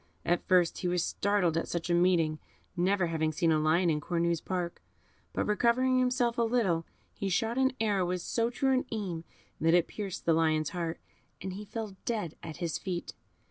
At first he was startled at such a meeting, never having seen a lion in Cornue's park; but recovering himself a little, he shot an arrow with so true an aim that it pierced the lion's heart, and he fell dead at his feet.